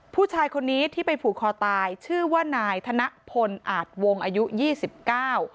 ผู้ชายคนนี้ที่ไปผูกคอตายชื่อว่านายธนพลอาจวงอายุยี่สิบเก้า